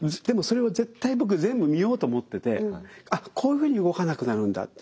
でもそれを絶対僕全部見ようと思っててあっこういうふうに動かなくなるんだ。